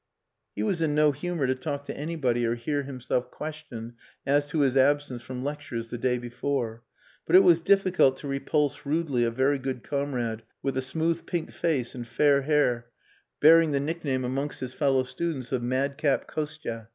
He was in no humour to talk to anybody or hear himself questioned as to his absence from lectures the day before. But it was difficult to repulse rudely a very good comrade with a smooth pink face and fair hair, bearing the nickname amongst his fellow students of "Madcap Kostia."